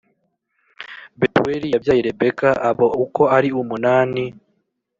Betuweli yabyaye Rebeka Abo uko ari umunani